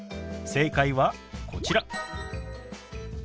正解はこちら。